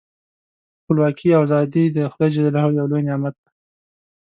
خپلواکي او ازادي د خدای ج یو لوی نعمت دی.